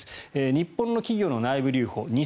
日本の企業の内部留保